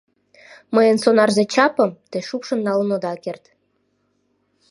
Мыйын сонарзе чапым те шупшын налын ода керт.